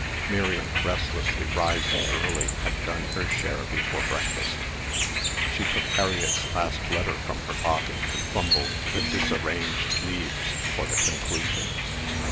Miriam restlessly rising early had done her share before breakfast. She took Harriett's last letter from her pocket and fumbled the disarranged leaves for the conclusion.